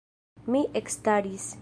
Mi ekstaris.